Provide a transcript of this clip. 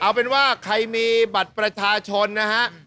เอาเป็นว่าใครมีบัตรประชาชนนะฮะ